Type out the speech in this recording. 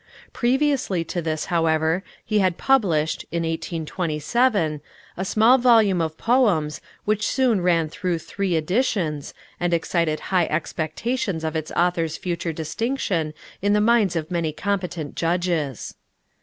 Previously to this, however, he had published (in 1827) a small volume of poems, which soon ran through three editions, and excited high expectations of its author's future distinction in the minds of many competent judges.